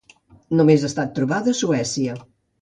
Només ha estat trobada a Suècia.